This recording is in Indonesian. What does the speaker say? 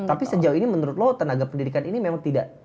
tapi sejauh ini menurut lo tenaga pendidikan ini memang tidak